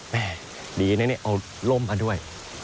แม่ดีนะเนี่ยเอาร่มมาด้วย